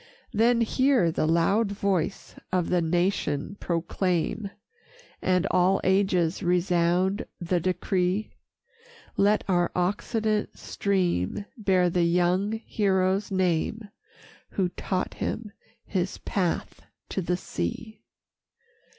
Then hear the loud voice of the nation proclaim And all ages resound the decree: Let our occident stream bear the young hero's name, Who taught him his path to the sea.